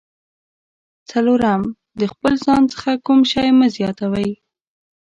څلورم: د خپل ځان څخه کوم شی مه زیاتوئ.